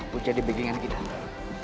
buat jadi bagel dengan kita